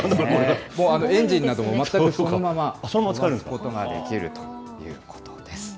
エンジンなども全くそのまま飛ばすことができるということです。